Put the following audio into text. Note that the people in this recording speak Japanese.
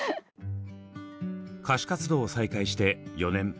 歌手活動を再開して４年。